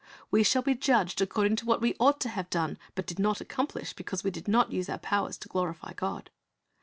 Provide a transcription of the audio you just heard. We shall be judged according to what we ought to have done, but did not accomplish because we did not use our powers to glorify God.